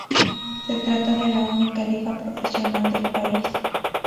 Se trata de la única liga profesional del país.